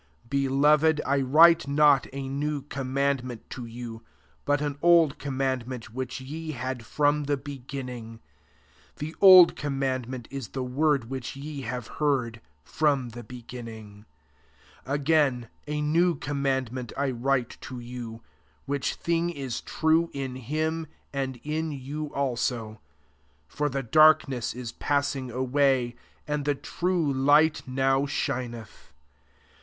7 Beloved, I write not a new commandment to you, but an old commandment which jre had from the beginning: the 3ld commandment is the word ^hich ye have heard {from the beginning], 8 Again, a new com mandment I write to you: which thing is true in him and in you jIso : for the darkness is pass ing away, and the true light now shineth.